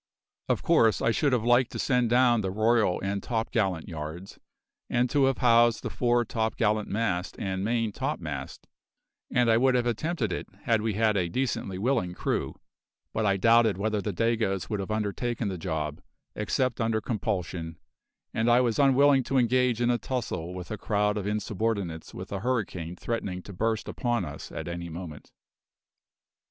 Of course I should have liked to send down the royal and topgallant yards, and to have housed the fore topgallant mast and main topmast, and I would have attempted it had we had a decently willing crew; but I doubted whether the Dagoes would have undertaken the job, except under compulsion; and I was unwilling to engage in a tussle with a crowd of insubordinates with a hurricane threatening to burst upon us at any moment.